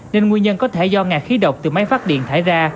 nên nguyên nhân có thể do ngạt khí độc từ máy phát điện thải ra